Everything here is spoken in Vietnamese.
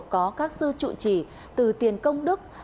có các sư chủ trì từ tiền công đức